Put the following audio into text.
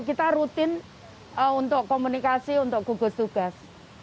kita rutin untuk komunikasi untuk gugus tugas